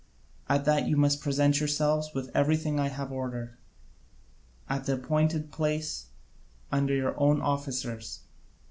At that you must present yourselves, with everything I have ordered, at the appointed place, under your own officers.